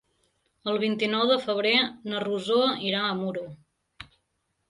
El vint-i-nou de febrer na Rosó irà a Muro.